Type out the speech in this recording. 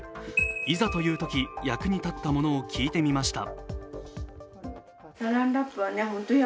いざというとき、役に立ったものを聞いてみました。